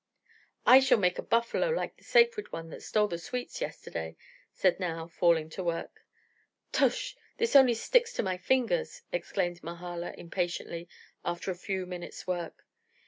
"I shall make a buffalo like the sacred one that stole the sweets yesterday," said Nao, falling to work. "Tush! this only sticks to my fingers!" exclaimed Mahala, impatiently, after a few minutes' work.